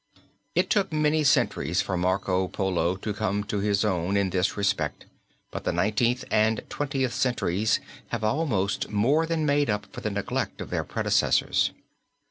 It took many centuries for Marco Polo to come to his own in this respect but the Nineteenth and Twentieth centuries have almost more than made up for the neglect of their predecessors.